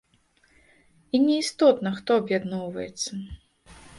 І не істотна, хто аб'ядноўваецца.